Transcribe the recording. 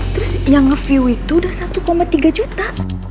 terus yang ngeview itu udah satu tiga juta